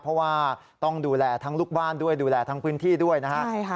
เพราะว่าต้องดูแลทั้งลูกบ้านด้วยดูแลทั้งพื้นที่ด้วยนะฮะ